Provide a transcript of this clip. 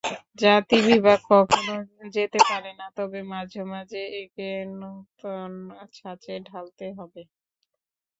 জাতিবিভাগ কখনও যেতে পারে না, তবে মাঝে মাঝে একে নূতন ছাঁচে ঢালতে হবে।